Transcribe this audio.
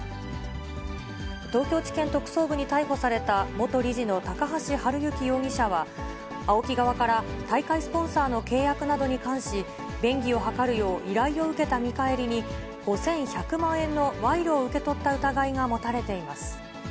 東京地検特捜部に逮捕された元理事の高橋治之容疑者は、ＡＯＫＩ側から、大会スポンサーの契約などに関し、便宜を図るよう依頼を受けた見返りに、５１００万円の賄賂を受け取った疑いが持たれています。